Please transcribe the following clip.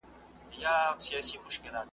سوله د پرمختللې ټولنې نښه ده.